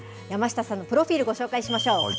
山下さんのプロフィール、ご紹介しましょう。